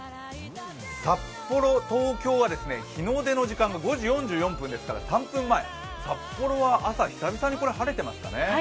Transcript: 札幌、東京は日の出の時間が５時４４分ですから３分前、札幌は朝久々に晴れてましたね。